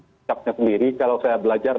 sikapnya sendiri kalau saya belajar